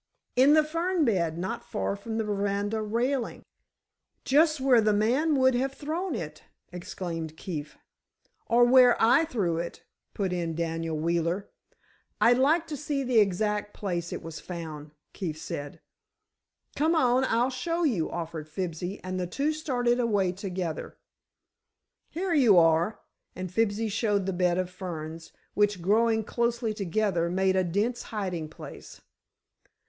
"In the fern bed, not far from the veranda railing." "Just where the man would have thrown it!" exclaimed Keefe. "Or where I threw it," put in Daniel Wheeler. "I'd like to see the exact place it was found," Keefe said. "Come on, I'll show you," offered Fibsy and the two started away together. "Here you are," and Fibsy showed the bed of ferns, which, growing closely together, made a dense hiding place.